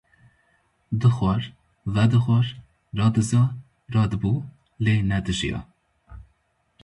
Dixwar, vedixwar, radiza, radibû, lê nedijiya.